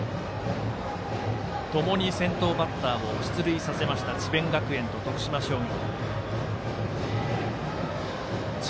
ともに先頭バッターを出塁させました智弁学園と徳島商業。